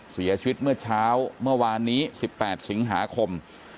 เสียชีวิตเมื่อเช้าเมื่อวานนี้๑๘สิงหาคม